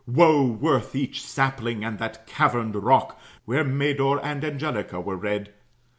Woe worth each sapling and that caverned rock Where Medore and Angelica were read!